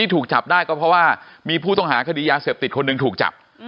ถูกจับได้ก็เพราะว่ามีผู้ต้องหาคดียาเสพติดคนหนึ่งถูกจับ